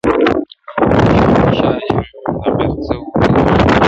• شهنشاه یم د غرڅه وو د لښکرو -